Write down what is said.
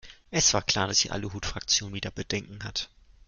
Es war klar, dass die Aluhutfraktion wieder Bedenken hat.